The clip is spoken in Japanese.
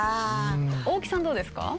大木さんどうですか？